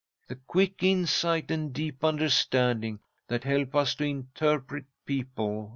The quick insight and deep understanding that help us to interpret people.